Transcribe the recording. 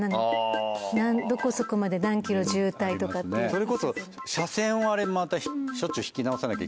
それこそ車線をあれまたしょっしゅう引き直さなきゃいけない。